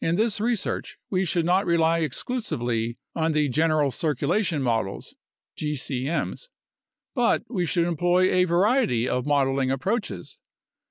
In this research, we should not rely exclusively on the general circulation models (gcm's) but should employ a. variety of modeling approaches.